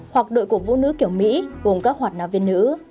hoặc đội cổ vũ nữ kiểu mỹ gồm các hoạt nạ viên nữ